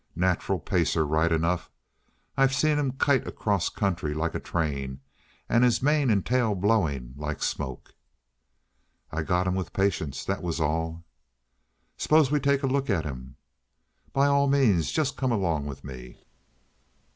Nacheral pacer, right enough. I've seen him kite across country like a train! And his mane and tail blowing like smoke!" "I got him with patience. That was all." "S'pose we take a look at him?" "By all means. Just come along with me."